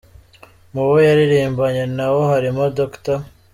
Mu bo yaririmbanye na bo harimo Dr.